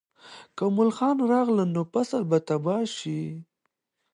که ملخان راغلل، نو فصل به تباه شي.